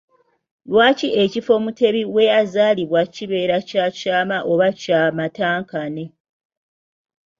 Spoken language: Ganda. Lwaki ekifo Mutebi weyazaalibwa kibeera kya kyama oba kya matankane?